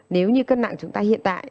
nếu như cân nặng chúng ta hiện tại